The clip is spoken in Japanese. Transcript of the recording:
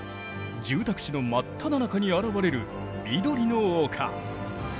住宅地の真っただ中に現れる緑の丘。